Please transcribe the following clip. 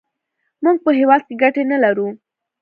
موږ په هېواد کې ګټې نه لرو.